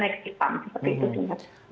seperti itu sih mas